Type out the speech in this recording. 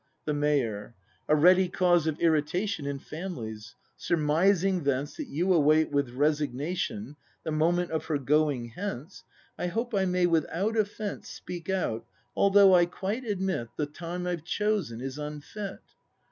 The Mayor. A ready cause of irritation In families. Surmising thence That you await with resignation The moment of her going hence, I hope I may without offence Speak out, although I quite admit The time I've chosen is unfit.